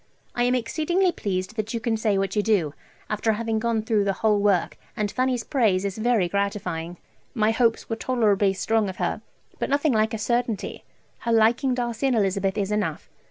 I am exceedingly pleased that you can say what you do, after having gone through the whole work, and Fanny's praise is very gratifying. My hopes were tolerably strong of her, but nothing like a certainty. Her liking Darcy and Elizabeth is enough.